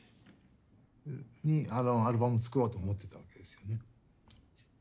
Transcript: にあのアルバム作ろうと思ってたわけですよね。